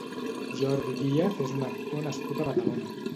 Jordi Díaz és un actor nascut a Badalona.